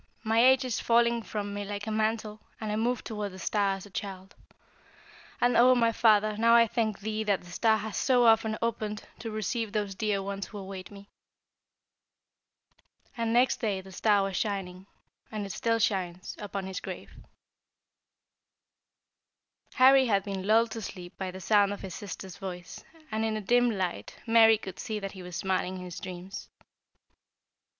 My age is falling from me like a mantle, and I move toward the star as a child. And, O my Father, now I thank thee that the star has so often opened to receive those dear ones who await me!' "And next day the star was shining, and it still shines, upon his grave." Harry had been lulled to sleep by the sound of his sister's voice, and in the dim light Mary could see that he was smiling in his dreams.